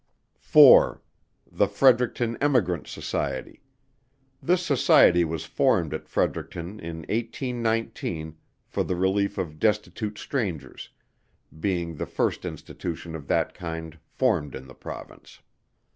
4. The Fredericton Emigrant Society. This Society was formed at Fredericton in 1819, for the relief of destitute strangers, being the first Institution of that kind formed in the Province.